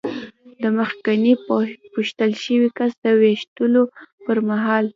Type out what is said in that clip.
د مخکېني پوښتل شوي کس د وېشتلو پر مهال.